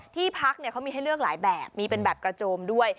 ที่พักเขามีให้เลือกหลายแบบมีเป็นแบบกระโจมด้วย